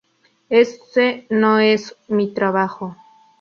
Ese no es mi trabajo.